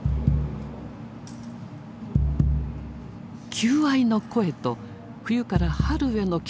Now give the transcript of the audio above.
求愛の声と冬から春への季節の変化。